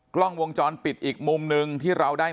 กล้องวงจรปิดอีกมุมหนึ่งที่เราได้